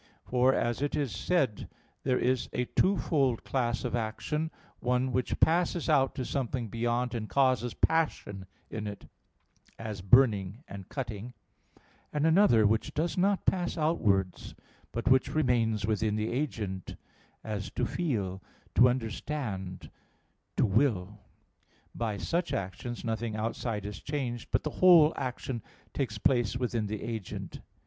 For as it is said (Metaph. ix, text. 16), there is a twofold class of action; one which passes out to something beyond, and causes passion in it, as burning and cutting; and another which does not pass outwards, but which remains within the agent, as to feel, to understand, to will; by such actions nothing outside is changed, but the whole action takes place within the agent.